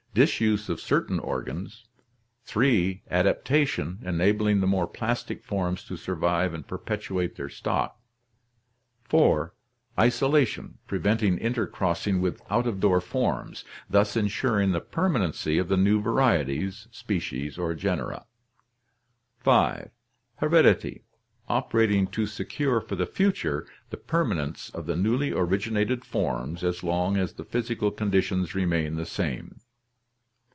"Disuse of certain organs. 3. "Adaptation, enabling the more plastic forms to survive and perpetuate their stock. 4. "Isolation, preventing intercrossing with out of door forms, thus insuring the permanency of the new varieties, species, or genera. 5. "Heredity, operating to secure for the future the permanence of the newly originated forms as long as the physical conditions remain the same.